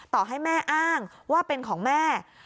ต่อให้แม่อ้างว่าเป็นของแม่